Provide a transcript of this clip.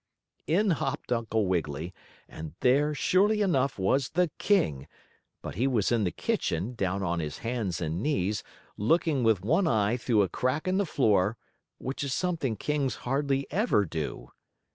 In hopped Uncle Wiggily, and there, surely enough, was the king, but he was in the kitchen, down on his hands and knees, looking with one eye through a crack in the floor, which is something kings hardly ever do.